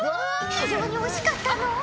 非常に惜しかったのう。